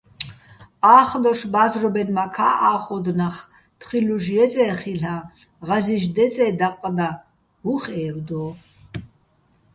ა́ხდოშ ბა́ზრობენმაქა́ ა́ხოდო̆ ნახ, თხილუშ ჲეწე́ ხილ'აჼ, ღაზი́შ დეწე́ დაყყდაჼ უ̂ხ ე́ვდო́.